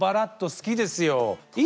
好きですよ。